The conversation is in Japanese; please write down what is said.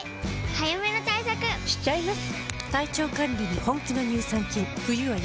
早めの対策しちゃいます。